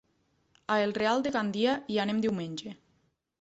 A el Real de Gandia hi anem diumenge.